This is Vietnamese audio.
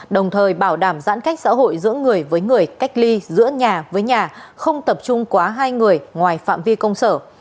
đồng thời bảo đảm giãn cách xã hội giữa người với người cách ly giữa nhà với nhà không tập trung quá hai người ngoài phạm vi công sở